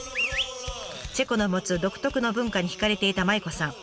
チェコの持つ独特の文化に惹かれていた麻衣子さん。